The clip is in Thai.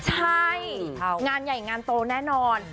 ใช่งานใหญ่งานโตแน่นอน